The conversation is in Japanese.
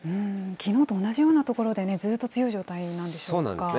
きのうと同じような所でね、ずっと強い状態なんでしょうか。